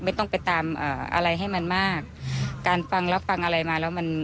ไม่ต้องไปตามอ่าอะไรให้มันมากการฟังรับฟังอะไรมาแล้วมัน